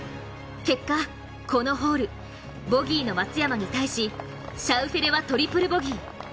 結果、このホールボギーの松山に対しシャウフェレはトリプルボギー。